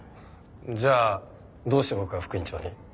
じゃあどうして僕が副院長に？